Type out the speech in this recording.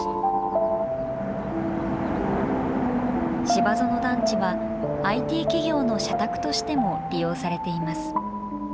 芝園団地は、ＩＴ企業の社宅としても利用されています。